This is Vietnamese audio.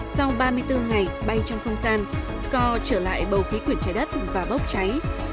sau ba mươi bốn ngày bay trong không gian score trở lại bầu khí quyển trái đất và bốc cháy